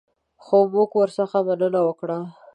خو موږ ورڅخه مننه وکړه.